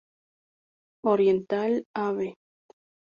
Oriental, Av.